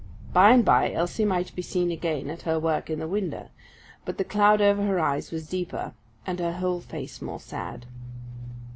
By and by, Elsie might be seen again at her work in the window; but the cloud over her eyes was deeper, and her whole face more sad.